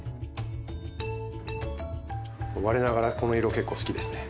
我ながらこの色結構好きですね。